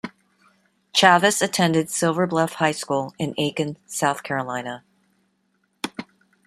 Chavous attended Silver Bluff High School in Aiken, South Carolina.